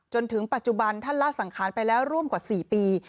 จนถึงปัจจุบันท่านลาดสังขารไปแล้วร่วมกว่า๔ปี